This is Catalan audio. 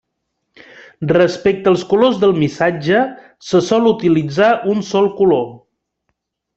Respecte als colors del missatge, se sol utilitzar un sol color.